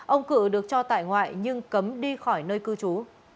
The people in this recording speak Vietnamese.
ông cự được cho tại ngoại nhưng cấm đi khỏi nơi cư trú